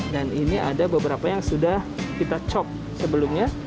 dan ini ada beberapa yang sudah kita cok sebelumnya